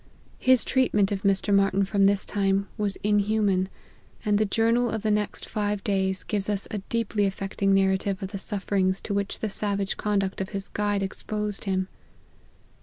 His treatment of Mr. Martyn from this time, was inhuman, and the journal of the next five days gives a deeply affect ing narrative of the sufferings to which the savage conduct of his guide exposed him.